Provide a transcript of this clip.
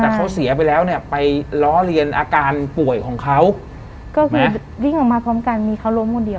แต่เขาเสียไปแล้วเนี่ยไปล้อเลียนอาการป่วยของเขาก็คือวิ่งออกมาพร้อมกันมีเขาล้มคนเดียว